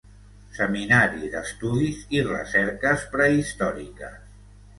Seminari d'Estudis i Recerques Prehistòriques.